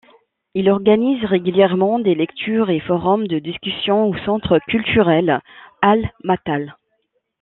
Il organise régulièrement des lectures et forums de discussions au Centre Culturel Al-Matal.